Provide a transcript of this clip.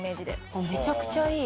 あっめちゃくちゃいい。